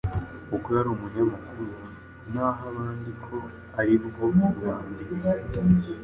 kuko yari umunyamakuru, naho abandi ko ari bwo bwa mbere